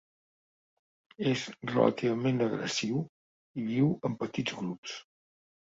És relativament agressiu i viu en petits grups.